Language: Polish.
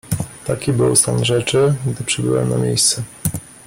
"Taki był stan rzeczy, gdy przybyłem na miejsce."